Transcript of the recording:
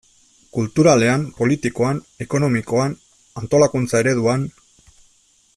Kulturalean, politikoan, ekonomikoan, antolakuntza ereduan...